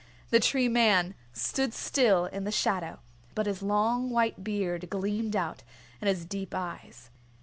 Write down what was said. The Tree Man stood still in the shadow, but his long white beard gleamed out, and his deep eyes.